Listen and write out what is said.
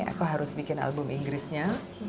aku harus bikin album inggrisnya